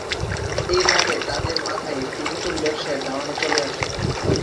এইভাবে তাদের মাথায় একটি নতুন ব্যবসায়ের ধারণা চলে আসে।